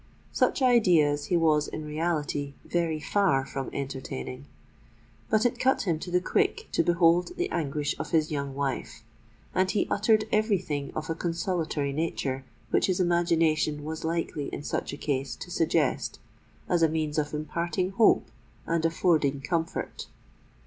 Such ideas he was in reality very far from entertaining;—but it cut him to the quick to behold the anguish of his young wife—and he uttered every thing of a consolatory nature which his imagination was likely in such a case to suggest as a means of imparting hope and affording comfort.